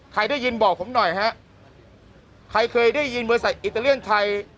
ใครได้ยินบอกผมหน่อยฮะใครเคยได้ยินเวอร์ไซต์อิตาเลียนไทย